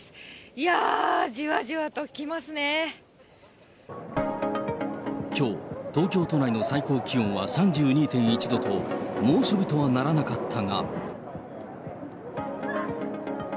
いやー、きょう、東京都内の最高気温は３２．１度と、猛暑日とはならなかったが。